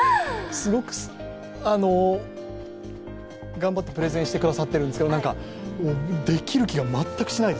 すごく頑張ってプレゼンしてくださってるんですけどできる気が全くしないです。